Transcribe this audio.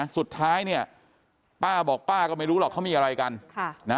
สุดท้ายเนี่ยป้าบอกป้าก็ไม่รู้หรอกเขามีอะไรกัน